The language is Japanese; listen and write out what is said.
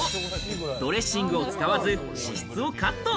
ドレッシングを使わず、脂質をカット。